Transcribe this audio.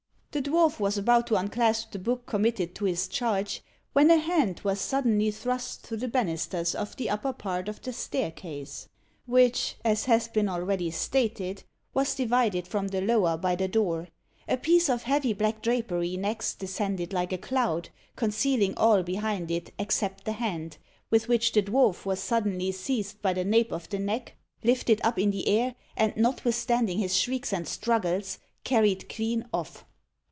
The dwarf was about to unclasp the book committed to his charge, when a hand was suddenly thrust through the banisters of the upper part of the staircase, which, as has been already stated, was divided from the lower by the door. A piece of heavy black drapery next descended like a cloud, concealing all behind it except the hand, with which the dwarf was suddenly seized by the nape of the neck, lifted up in the air, and, notwithstanding his shrieks and struggles, carried clean off.